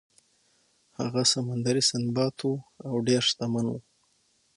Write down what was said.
هغه سمندري سنباد و او ډیر شتمن و.